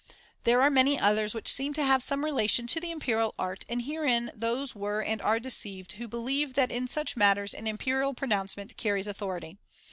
C160J There are many others which seem to have some relation to the imperial art ; and herein those were and are deceived who believe that in such matters an imperial pronouncement carries authority.